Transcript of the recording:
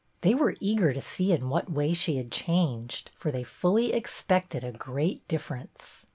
They were eager to see in what way she had changed, for they fully expected a great difference.